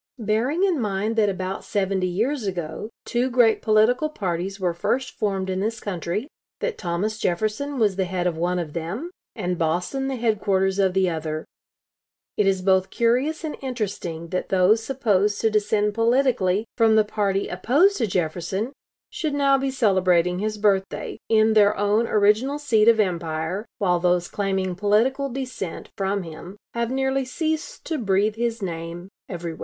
"Bearing in mind that about seventy years ago two great political parties were first formed in this country; that Thomas Jefferson was the head of one of them, and Boston the headquarters of the other, it is both curious and interesting that those supposed to descend politically from the party opposed to Jefferson, should now be celebrating his birthday, in their own original seat of empire, while those claiming political descent from him have nearly ceased to breathe his name everywhere...."